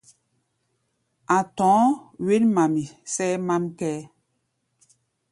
A̧ tɔ̧ɔ̧́ wěn-mami, sʼɛ́ɛ́ mám kʼɛ́ɛ́.